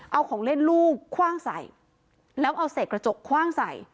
เอาของเล่นลูกคว่างใส่แล้วเอาเศษกระจกคว่างใส่